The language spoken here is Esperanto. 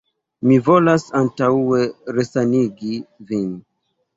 Mi volas antaŭe resanigi vin.